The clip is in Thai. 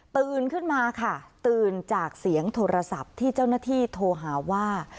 ตื่นขึ้นมาค่ะตื่นจากเสียงโทรศัพท์ที่เจ้าหน้าที่โทรหาว่า